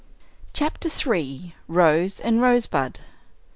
CHAPTER III. ROSE AND ROSEBUD.